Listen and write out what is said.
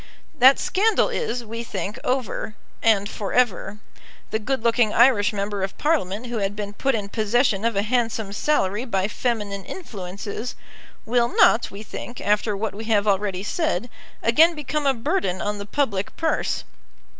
That scandal is, we think, over, and for ever. The good looking Irish member of Parliament who had been put in possession of a handsome salary by feminine influences, will not, we think, after what we have already said, again become a burden on the public purse.